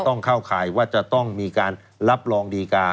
ต้องเข้าข่ายว่าจะต้องมีการรับรองดีการ์